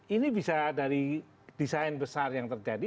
ini bisa dari desain besar yang terjadi